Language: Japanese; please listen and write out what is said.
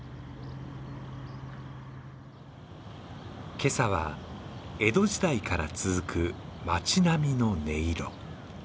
今朝は、江戸時代から続く街並みの音色。